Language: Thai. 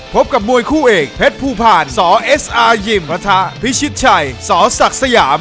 พบกับมวยคู่เอกเพชรภูผ่านสอเอสอายิมพระทะพิชิตชัยสศักดิ์สยาม